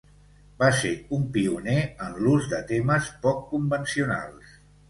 Va ser un pioner en l'ús de temes poc convencionals.